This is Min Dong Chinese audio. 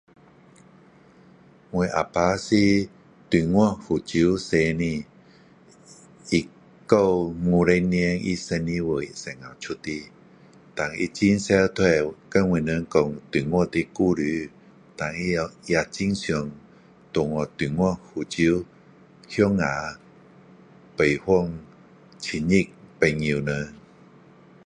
我啊爸是中国福州出的1950年他12岁时候出的胆他很常就会很我们说中国的故事胆他也也很想回去中国福州乡下拜访亲戚朋友们